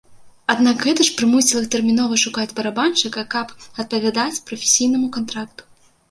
Аднак гэта ж прымусіла іх тэрмінова шукаць барабаншчыка, каб адпавядаць прафесійнаму кантракту.